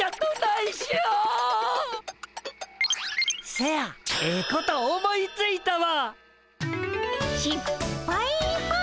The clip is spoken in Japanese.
せやええこと思いついたわ！